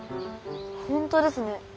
本当ですね。